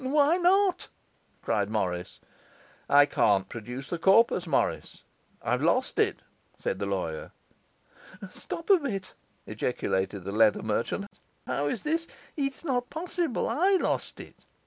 'Why not?' cried Morris. 'I can't produce the corpus, Morris. I've lost it,' said the lawyer. 'Stop a bit,' ejaculated the leather merchant. 'How is this? It's not possible. I lost it.